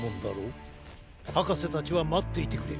はかせたちはまっていてくれ。